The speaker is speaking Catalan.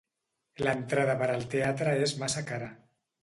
L'entrada per al teatre és massa cara.